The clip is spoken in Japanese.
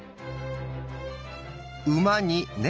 馬に猫。